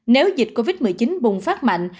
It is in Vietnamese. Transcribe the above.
nếu dịch covid một mươi chín bùng phát mạnh